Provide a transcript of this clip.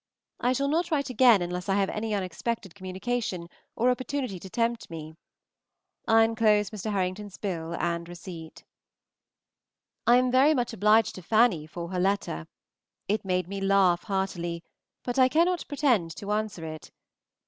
I shall not write again unless I have any unexpected communication or opportunity to tempt me. I enclose Mr. Herington's bill and receipt. I am very much obliged to Fanny for her letter; it made me laugh heartily, but I cannot pretend to answer it.